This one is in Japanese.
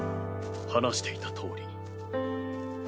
話していたとおりに。